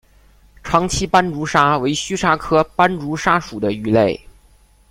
长鳍斑竹鲨为须鲨科斑竹鲨属的鱼类。